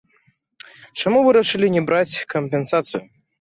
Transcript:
Чаму вырашылі не браць кампенсацыю?